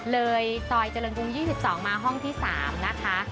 เลยซอยเจริญกรุง๒๒มาห้องที่๓นะคะ